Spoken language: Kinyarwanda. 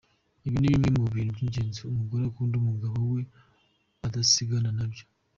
Ibi ni bimwe mu bintu by’ingenzi umugore ukunda umugabo we adasigana nabyo:.